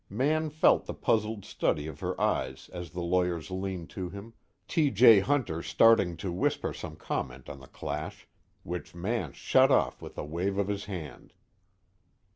Mann felt the puzzled study of her eyes as the lawyers leaned to him, T. J. Hunter starting to whisper some comment on the clash, which Mann shut off with a wave of his hand.